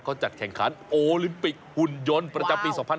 เขาจัดแข่งขันโอลิมปิกหุ่นยนต์ประจำปี๒๕๕๙